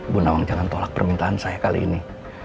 bunawang jangan tolak permintaan saya kali ini